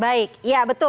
baik ya betul